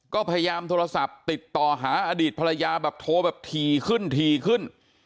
ก็พยายามโทรศัพท์ติดต่อหาอดีตภรรยาแบบโทรแบบถี่ขึ้นถี่ขึ้น